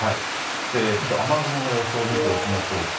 ちょっと雨雲の予想を見ておきましょうか。